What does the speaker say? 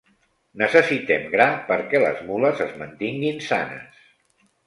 Necessitem gra perquè les mules es mantinguin sanes.